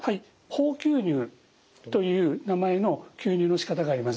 ホー吸入という名前の吸入のしかたがあります。